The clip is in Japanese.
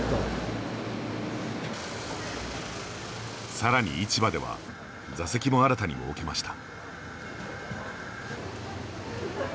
さらに市場では座席も新たに設けました。